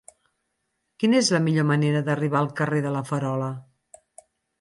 Quina és la millor manera d'arribar al carrer de La Farola?